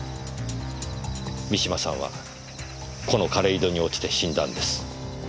三島さんはこの枯れ井戸に落ちて死んだんです。